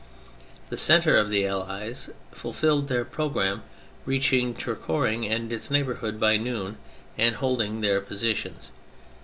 The centre of the Allies fulfilled their programme, reaching Tourcoing and its neighbourhood by noon and holding their positions.